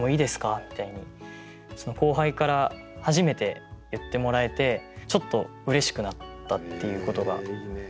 みたいにその後輩から初めて言ってもらえてちょっとうれしくなったっていうことが。